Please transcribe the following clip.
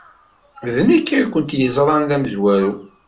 D nekk ay kent-yeẓran d amezwaru.